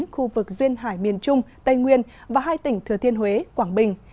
khu vực duyên hải miền trung tây nguyên và hai tỉnh thừa thiên huế quảng bình